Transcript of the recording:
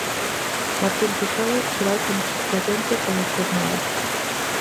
Martín Cristobal será o contacontos da xornada.